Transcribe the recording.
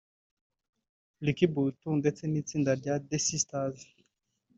Luc Buntu ndetse n’itsinda rya The Sisters